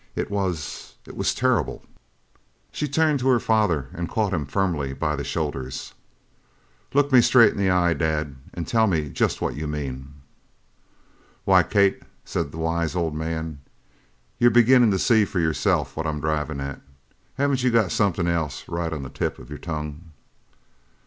It was it was terrible!" She turned to her father and caught him firmly by the shoulders. "Look me straight in the eye, Dad, and tell me just what you mean." "Why, Kate," said the wise old man, "you're beginnin' to see for yourself what I'm drivin' at! Haven't you got somethin' else right on the tip of your tongue?"